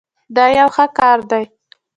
دا یو ښه کار دی.